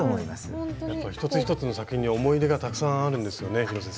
一つ一つの作品に思い入れがたくさんあるんですよね広瀬さん。